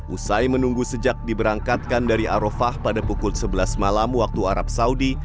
usai menunggu sejak diberangkatkan dari arofah pada pukul sebelas malam waktu arab saudi